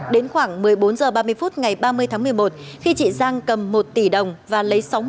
đến khoảng một mươi bốn h ba mươi phút ngày ba mươi tháng một mươi một khi chị giang cầm một tỷ đồng và lấy sáu mươi triệu đồng